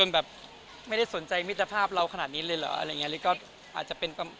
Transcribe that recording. แบบไม่ได้สนใจมิตรภาพเราขนาดนี้เลยเหรอ